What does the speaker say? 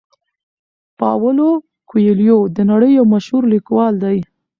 پاولو کویلیو د نړۍ یو مشهور لیکوال دی.